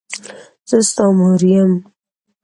زه ستا مور یم.